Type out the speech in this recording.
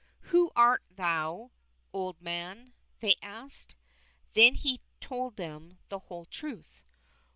—" Who art thou, old man ?" they asked. Then he told them the whole truth.